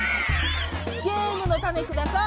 ゲームのタネください！